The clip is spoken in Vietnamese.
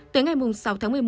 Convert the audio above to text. tới ngày sáu tháng một mươi một